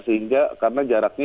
sehingga karena jaraknya